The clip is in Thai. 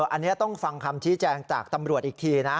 อันนี้ต้องฟังคำชี้แจงจากตำรวจอีกทีนะ